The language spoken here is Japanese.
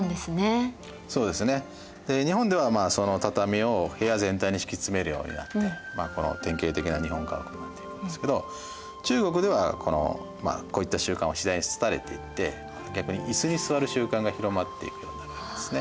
で日本ではその畳を部屋全体に敷き詰めるようになってこの典型的な日本家屋になっていきますけど中国ではこういった習慣は次第に廃れていって逆に椅子に座る習慣が広まっていくようになるわけですね。